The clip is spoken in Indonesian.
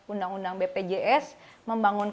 undang undang bpjs membangun